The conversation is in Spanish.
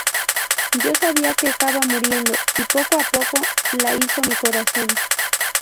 Yo sabía que se estaba muriendo, y poco a poco la hizo mi corazón.